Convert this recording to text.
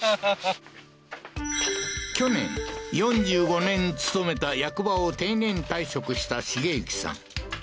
去年４５年勤めた役場を定年退職した茂幸さん